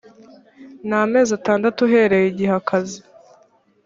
n amezi atandatu uhereye igihe akazi